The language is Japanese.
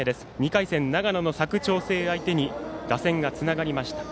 ２回戦、長野の佐久長聖相手に打線がつながりました。